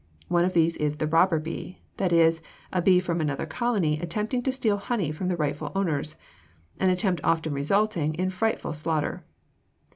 One of these is the robber bee, that is, a bee from another colony attempting to steal honey from the rightful owners, an attempt often resulting in frightful slaughter.